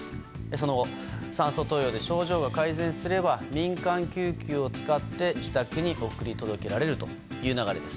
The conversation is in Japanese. その後、酸素投与で症状が改善すれば民間救急を使って自宅に送り届けられるという流れです。